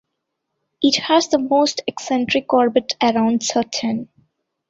It has the most eccentric orbit around Saturn.